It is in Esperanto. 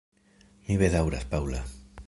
Mi bedaŭras, Paŭla.